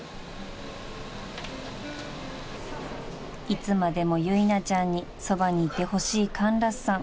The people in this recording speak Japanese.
［いつまでも由奈ちゃんにそばにいてほしいカンラスさん］